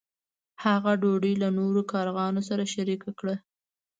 هغه ډوډۍ له نورو کارغانو سره شریکه کړه.